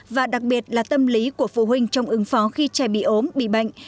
và đặc biệt là tâm lý của phụ huynh trong ứng phó khi trẻ bị ốm bị bệnh